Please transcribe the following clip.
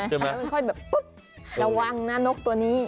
แล้วมันค่อยแบบปุ๊บระวังนะนกตัวนี้